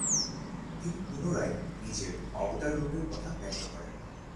তিনি পুনরায় নিজের অবতাররূপের কথা ব্যক্ত করেন।